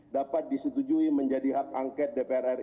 dapat disetujui menjadi hak angket dpr ri